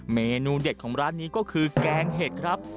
เมนูเด็ดของร้านนี้ก็คือแกงเห็ดครับ